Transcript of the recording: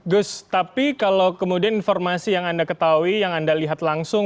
gus tapi kalau kemudian informasi yang anda ketahui yang anda lihat langsung